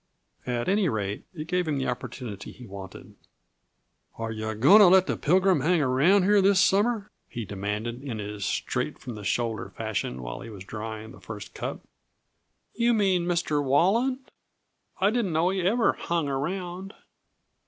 At any rate, it gave him the opportunity he wanted. "Are yuh going to let the Pilgrim hang around here this summer?" he demanded in his straight from the shoulder fashion while he was drying the first cup. "You mean Mr. Walland? I didn't know he ever 'hung around'."